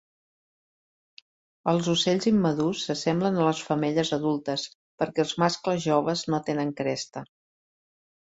Els ocells immadurs s'assemblen a les femelles adultes, perquè els mascles joves no tenen cresta.